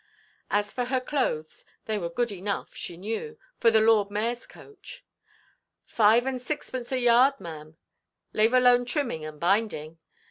As for her clothes, they were good enough, she knew, for the Lord Mayorʼs coach. "Five–and–sixpence a yard, maʼam, lave alone trimming and binding."